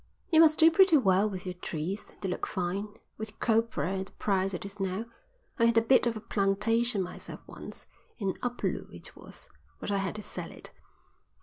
"You must do pretty well with your trees. They look fine. With copra at the price it is now. I had a bit of a plantation myself once, in Upolu it was, but I had to sell it."